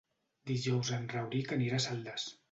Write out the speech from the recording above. Dijous en Rauric anirà a Saldes.